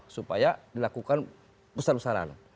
supaya dilakukan besar besaran